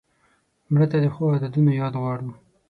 مړه ته د ښو عادتونو یاد غواړو